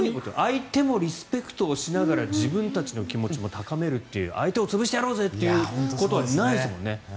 相手もリスペクトをしながら自分たちの気持ちも高めるという相手を潰してやろうぜという言葉ないですもんね。